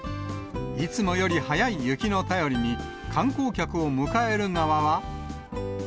いつもより早い雪の便りに、観光客を迎える側は。